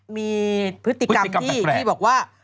มีพฤติกรรมที่บอกว่า